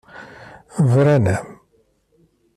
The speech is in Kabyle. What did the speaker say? Bran-am.